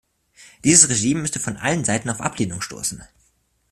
Dieses Regime müsste von allen Seiten auf Ablehnung stoßen.